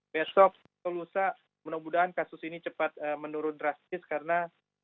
besok atau lusa mudah mudahan kasus ini cepat menurun drastis karena